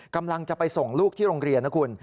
กำลังจะไปส่งลูกที่โรงเรียนนะคุณ